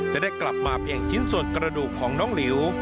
และได้กลับมาเพียงชิ้นส่วนกระดูกของน้องหลิว